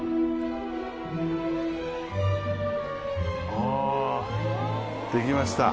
ああーできました。